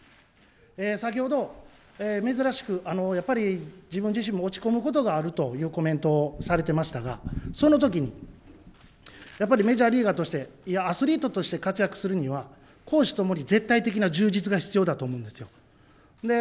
先ほど珍しく自分自身も落ち込むことがあるというコメントをされていましたが、そのときにやっぱりメジャーリーガーとしていや、アスリートとして活躍するには、公私共に絶対的な充実が必要だと思うんですよ。